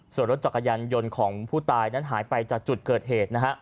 ส่วนรถจักรยานยนต์ของผู้ตายนั้นหายไปจากจุดเกิดเหตุนะฮะ